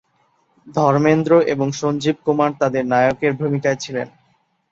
ধর্মেন্দ্র এবং সঞ্জীব কুমার তাদের নায়কের ভূমিকায় ছিলেন।